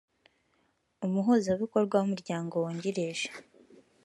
umuhuzabikorwa w umuryango wungirije